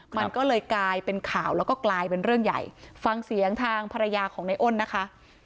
มันก็เลยกลายเป็นข่าวแล้วก็กลายเป็นเรื่องใหญ่ฟังเสียงทางภรรยาของในอ้นนะคะ